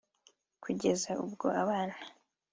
kugeza ubwo abana